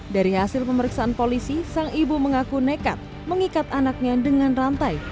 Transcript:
dari hasil pemeriksaan polisi sang ibu mengaku nekat mengikat anaknya dengan rantai